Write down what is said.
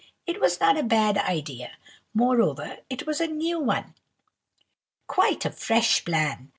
it was not a bad idea; moreover, it was a new one—quite a fresh plan.